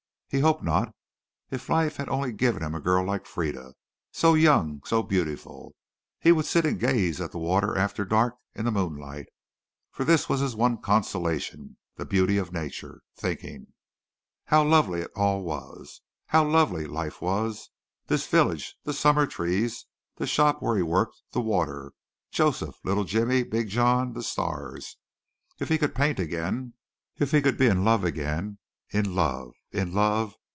He hoped not. If life had only given him a girl like Frieda so young, so beautiful! He would sit and gaze at the water after dark in the moonlight, for this was his one consolation the beauty of nature thinking. How lovely it all was! How lovely life was, this village, the summer trees, the shop where he worked, the water, Joseph, little Jimmy, Big John, the stars. If he could paint again, if he could be in love again. In love! In love!